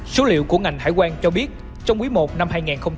số liệu của ngành hải quan cho biết trong quý i năm hai nghìn hai mươi bốn